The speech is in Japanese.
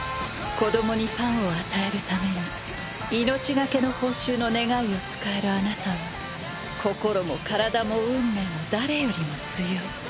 子どもにパンを与えるために命懸けの報酬の願いを使えるあなたは心も体も運命も誰よりも強い。